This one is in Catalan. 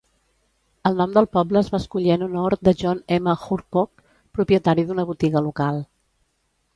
El nom del poble es va escollir en honor de John M. Hurkock, propietari d'una botiga local.